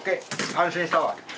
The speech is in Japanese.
安心したわ。